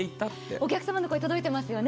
お客様の声、届いていますよね。